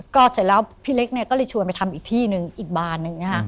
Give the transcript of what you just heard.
ก็เสร็จแล้วพี่เล็กเนี่ยก็เลยชวนไปทำอีกที่หนึ่งอีกบานหนึ่งนะคะ